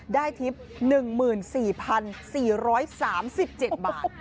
ได้ทริป๑๔๔๓๗บาท